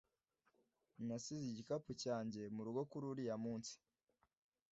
Nasize igikapu cyanjye murugo kuri uriya munsi